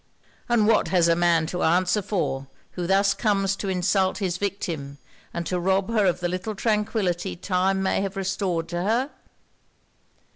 'And what has a man to answer for, who thus comes to insult his victim, and to rob her of the little tranquillity time may have restored to her?'